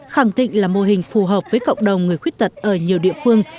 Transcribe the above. khẳng định là mô hình phù hợp với cộng đồng người khuyết tật ở nhiều địa phương